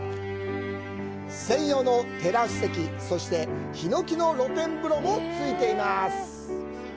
専用のテラス席、そしてヒノキの露天風呂もついています。